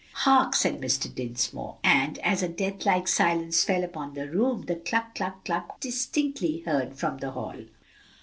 "Hark!" said Mr. Dinsmore, and as a death like silence fell upon the room the "cluck, cluck, cluck" was distinctly heard from the hall.